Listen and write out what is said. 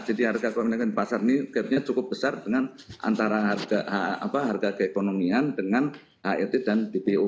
jadi harga komoditas di pasar ini gapnya cukup besar dengan antara harga keekonomian dengan hit dan bpo